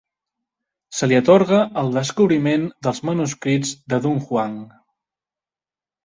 Se li atorga el descobriment dels manuscrits de Dunhuang.